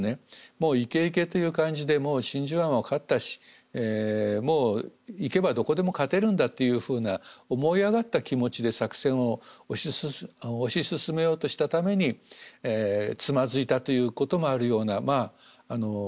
もうイケイケという感じで真珠湾は勝ったしもう行けばどこでも勝てるんだというふうな思い上がった気持ちで作戦を推し進めようとしたためにつまずいたということもあるようなまあ作戦だったんですね。